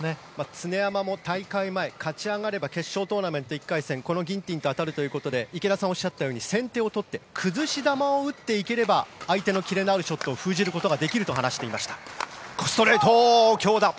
常山も大会前勝ち上がれば決勝トーナメントで１回戦はギンティンと当たるということで先手を取って崩し球を打っていければ相手のキレのあるショットを封じることができると話していました。